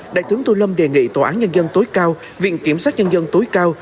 đại tướng tô lâm đề nghị tòa án nhân dân tối cao viện kiểm sát nhân dân tối cao